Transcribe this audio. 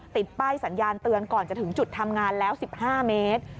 ติดป้ายสัญญาณเตือนก่อนจะถึงจุดทำงานแล้ว๑๕เมตร